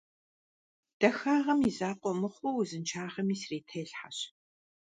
Дахагъэм и закъуэ мыхъуу, узыншагъэми срителъхьэщ.